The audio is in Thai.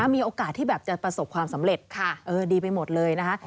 มีโอกาสที่แบบจะประสบความสำเร็จดีไปหมดเลยนะคะ